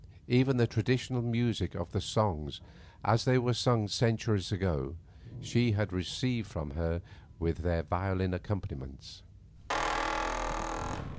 Even the traditional music of the songs as they were sung centuries ago she had received from her with their violin accompaniments.